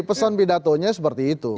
pesan pidatonya seperti itu